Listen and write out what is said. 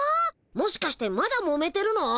もしかしてまだもめてるの？